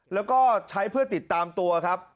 แล้วก็ใช้เพื่อติดตามตัวครับ